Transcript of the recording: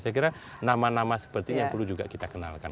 saya kira nama nama seperti ini yang perlu juga kita kenalkan